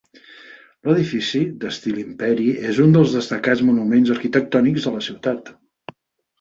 L'edifici, d'estil imperi, és un dels destacats monuments arquitectònics de la ciutat.